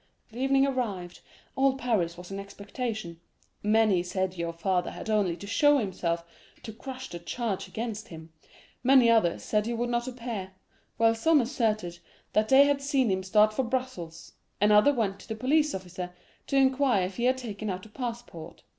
"The evening arrived; all Paris was in expectation. Many said your father had only to show himself to crush the charge against him; many others said he would not appear; while some asserted that they had seen him start for Brussels; and others went to the police office to inquire if he had taken out a passport.